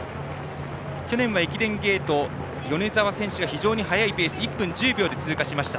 去年は駅伝ゲート、米澤選手が非常に早いペース１分１０秒で通過しました。